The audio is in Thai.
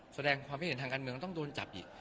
เพราะฉะนั้นเราออกมา